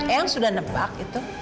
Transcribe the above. eyang sudah nebak itu